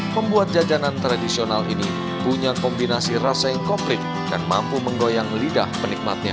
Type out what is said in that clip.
membuat jajanan tradisional ini punya kombinasi rasa yang komplit dan mampu menggoyang lidah penikmatnya